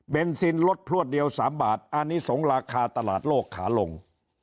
เป็นซินลดพลวดเดียว๓บาทอันนี้สงราคาตลาดโลกขาลง